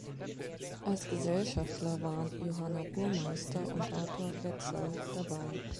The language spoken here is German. Als Gesellschafter waren Johanna Burmeister und Arthur Wetzel dabei.